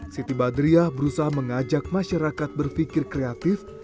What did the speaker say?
siti badriah berusaha mengajak masyarakat berpikir kreatif